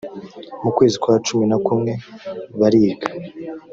mukwezi kwa cumi na kumwe bariga